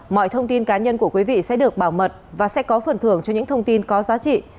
mọi thông tin cá nhân của quý vị sẽ được bảo mật và sẽ có phần thưởng cho những thông tin có giá trị